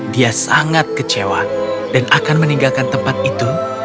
dia sangat kecewa dan akan meninggalkan tempat itu